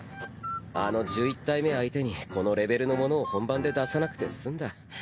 あの１１体目相手にこのレベルのものを本番で出さなくて済んだ。